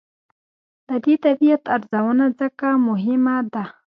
د دې طبیعت ارزونه ځکه مهمه ده.